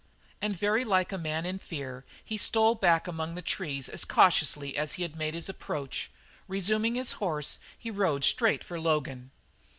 And very like a man in fear he stole back among the trees as cautiously as he had made his approach. Resuming his horse he rode straight for Logan.